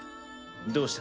どうした？